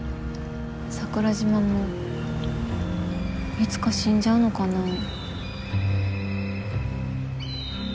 桜島もいつか死んじゃうのかなぁ。